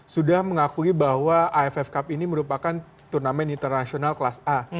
sudah mengakui bahwa aff cup ini merupakan turnamen internasional kelas a